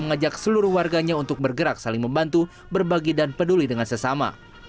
mengajak seluruh warganya untuk bergerak saling membantu berbagi dan peduli dengan sesama